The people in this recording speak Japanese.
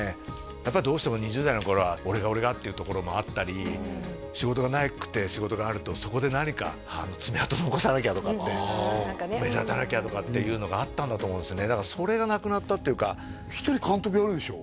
やっぱりどうしても２０代の頃は「俺が俺が」っていうところもあったり仕事がなくて仕事があるとそこで何か目立たなきゃとかっていうのがあったんだと思うんですねだからそれがなくなったっていうかひとり監督やるでしょ？